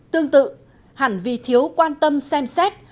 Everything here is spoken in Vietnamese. tương tự hẳn vì thiếu quan tâm xem xét